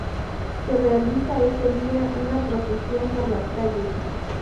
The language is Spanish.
Se realiza ese día una procesión por las calles.